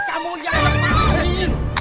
kamu yang yang paksain